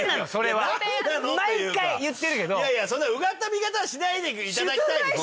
いやいやそんなうがった見方はしないでいただきたい。